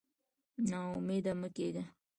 نا امېد مه کېږه.